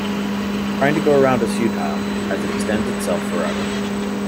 Trying to go around is futile as it extends itself forever.